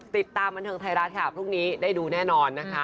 ติดตามบันเทิงไทยรัฐค่ะพรุ่งนี้ได้ดูแน่นอนนะคะ